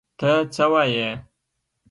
ته څه وایې!؟